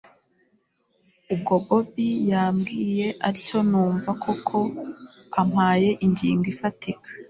ubwo bobi yambwiye atyo numva koko ampaye ingingo ifatika